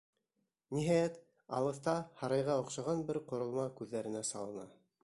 Ниһайәт, алыҫта һарайға оҡшаған бер ҡоролма күҙҙәренә салына.